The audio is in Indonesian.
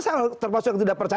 saya termasuk yang tidak percaya